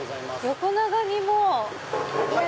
横長にもう。